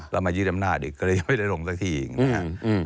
เรามายืดรำนาจอีกก็เลยยังไม่ได้ลงสักทีอีกนะฮะ